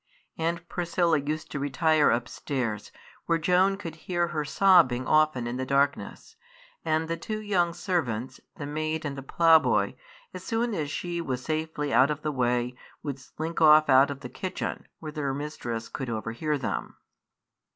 Aunt Priscilla used to retire upstairs, where Joan could hear her sobbing often in the darkness; and the two young servants, the maid and the ploughboy, as soon as she was safely out of the way, would slink off out of the kitchen, where their mistress could overhear them.